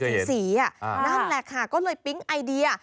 เป็นสีนั่นล่ะค่ะก็เลยปิ๊กไอเดียหนำมาลองผิดลองถูก